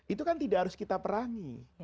itu kan tidak harus kita perangi